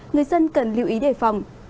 người dân cần lưu ý đề phòng